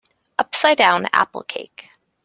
Upside down apple cake.